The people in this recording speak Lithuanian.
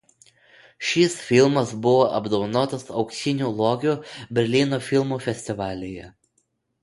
Šis filmas buvo apdovanotas „Auksiniu lokiu“ Berlyno filmų festivalyje.